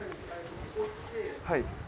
はい。